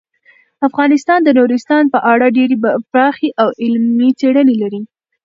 افغانستان د نورستان په اړه ډیرې پراخې او علمي څېړنې لري.